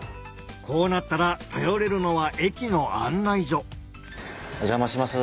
こうなったら頼れるのは駅の案内所お邪魔します